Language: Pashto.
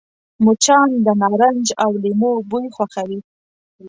مچان د نارنج او لیمو بوی خوښوي